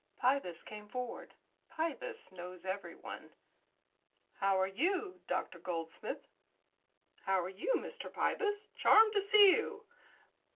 Pybus came forward. Pybus knows everyone. "How are you, Dr. Goldsmith?" "How are you, Mr. Pybus? Charmed to see you."